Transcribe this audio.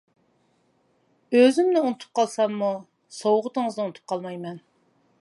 ئۈزۈمنى ئۇنتۇپ قالساممۇ، سوۋغىتىڭىزنى ئۇنتۇپ قالمايمەن.